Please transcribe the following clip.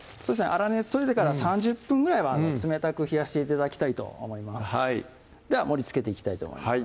粗熱取れてから３０分ぐらいは冷たく冷やして頂きたいと思いますでは盛りつけていきたいと思います